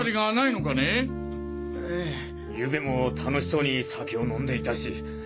ゆうべも楽しそうに酒を飲んでいたし。